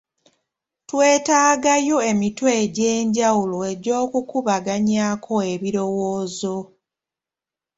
Twetagayo emitwe egy'enjawulo egy’okukubaganyaako ebirowoozo.